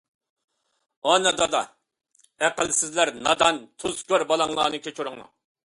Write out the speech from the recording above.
ئانا، دادا ئەقىلسىز، نادان تۇزكور بالاڭلارنى كەچۈرۈڭلار.